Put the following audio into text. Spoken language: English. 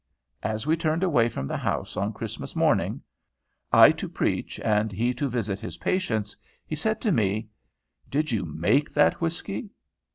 As we turned away from the house on Christmas morning, I to preach and he to visit his patients, he said to me, "Did you make that whiskey?"